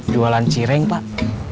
jualan cireng pak